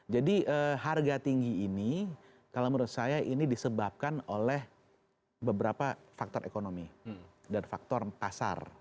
jadi harga tinggi ini kalau menurut saya ini disebabkan oleh beberapa faktor ekonomi dan faktor pasar